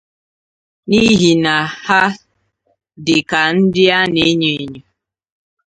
n'ihi na ha dị ka ndị a na-enyo ènyò.